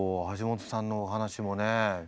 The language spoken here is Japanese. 橋本さんのお話もね